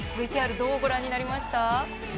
ＶＴＲ、どうご覧になりました？